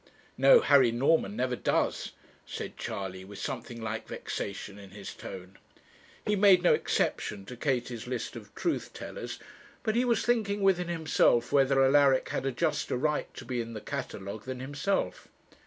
'No, Harry Norman never does,' said Charley, with something like vexation in his tone. He made no exception to Katie's list of truth tellers, but he was thinking within himself whether Alaric had a juster right to be in the catalogue than himself.